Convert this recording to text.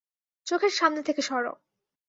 চোখের সামনে থেকে সরো।